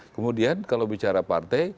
kemudian kalau bicara partai